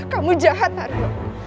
kamu jahat mario